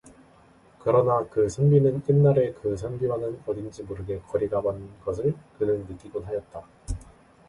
그러나 그 선비는 옛날의 그 선비와는 어딘지 모르게 거리가 먼것을 그는 느끼곤 하였다.